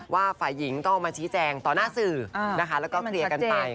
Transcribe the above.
ฝ่ายหญิงต้องเอามาชี้แจงต่อหน้าสื่อนะคะแล้วก็เคลียร์กันไป